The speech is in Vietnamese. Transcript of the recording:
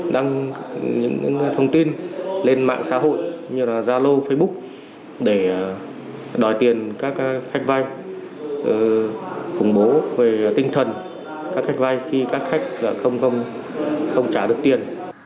đăng những thông tin lên mạng xã hội như là zalo facebook để đòi tiền các khách vay khủng bố về tinh thần các khách vay khi các khách không trả được tiền